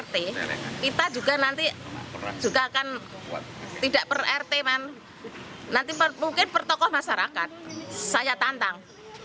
tidak per rt man nanti mungkin pertokoh masyarakat saya tantang